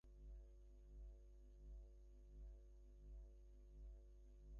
তাঁর সূত্রে ওক্তাবিয়োর কাছে আমার অনুবাদ করা কয়েকটি কবিতা গিয়ে পৌঁছায়।